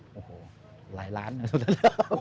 โอ้โหหหลายล้านนะซักที